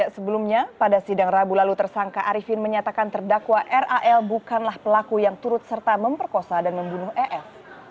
sebelumnya pada sidang rabu lalu tersangka arifin menyatakan terdakwa ral bukanlah pelaku yang turut serta memperkosa dan membunuh ef